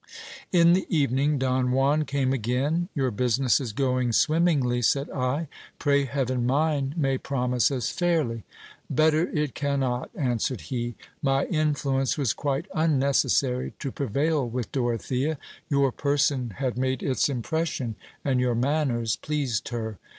In the evening, Don Juan came again. Your business is going swimmingly, .'aid I ; pray heaven mine may promise as fairly. Better it cannot, answered lie; my influence was quite unnecessary to prevail with Dorothea ; your person had made its impression, and your manners pleased her.